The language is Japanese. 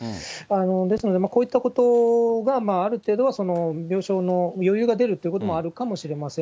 ですので、こういったことがある程度は病床の余裕が出るっていうこともあるかもしれません。